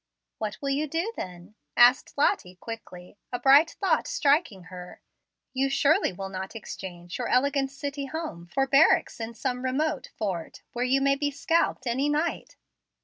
"What will you do then?" asked Lottie, quickly, a bright thought striking her. "You surely will not exchange your elegant city home for barracks in some remote fort, where you may be scalped any night?"